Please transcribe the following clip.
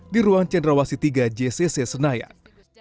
di ruang cendrawasitiga jcc senayan